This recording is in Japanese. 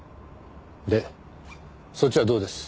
でそっちはどうです？